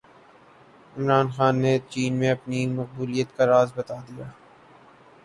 عامر خان نے چین میں اپنی مقبولیت کا راز بتادیا